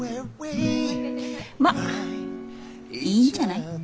まっいいんじゃない？